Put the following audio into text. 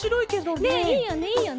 ねえいいよねいいよね。